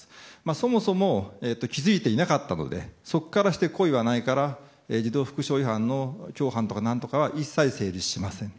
そもそも気づいていなかったのでそこからして故意はないから児童福祉法違反の共犯とか何とかは一切成立しません。